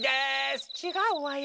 ちがうわよ。